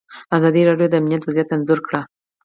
ازادي راډیو د امنیت وضعیت انځور کړی.